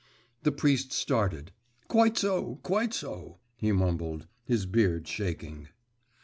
The priest started. 'Quite so, quite so,' he mumbled, his beard shaking.